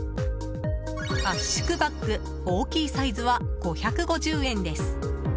圧縮バッグ、大きいサイズは５５０円です。